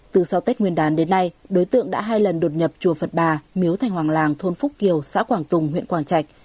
từ sau tết nguyên đán đến nay đối tượng đã hai lần đột nhập chùa phật bà miếu thành hoàng làng thôn phúc kiều xã quảng tùng huyện quảng trạch